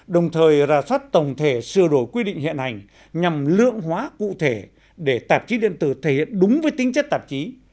đồng thời ra soát tổng thể sửa đổi quy định hiện hành nhằm lượng hóa cụ thể để tạp chí điện tử thể hiện đúng với tính chất tạp chí